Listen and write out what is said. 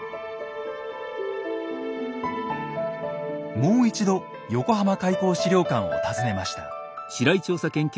もう一度横浜開港資料館を訪ねました。